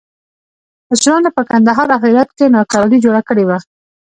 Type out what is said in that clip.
مشرانو په کندهار او هرات کې ناکراري جوړه کړې وه.